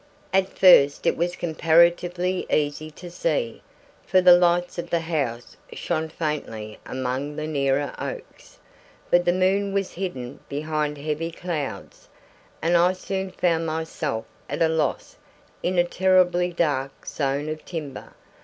At first it was comparatively easy to see, for the lights of the house shone faintly among the nearer oaks. But the moon was hidden behind heavy clouds, and I soon found myself at a loss in a terribly dark zone of timber.